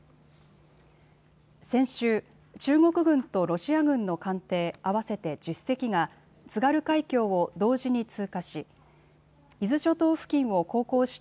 先週、中国軍とロシア軍の艦艇、合わせて１０隻が津軽海峡を同時に通過し、伊豆諸島付近を航行した